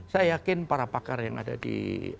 saya yakin para pakar yang ada di